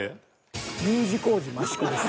Ｕ字工事益子です。